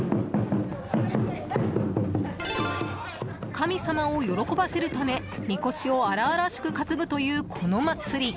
神様を喜ばせるため、みこしを荒々しく担ぐというこの祭り。